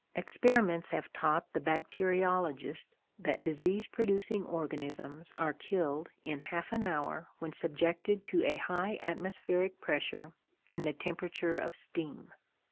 Experiments have taught the bacteriologist that disease producing organisms are killed in half an hour when subjected to a high atmospheric pressure and the temperature of steam.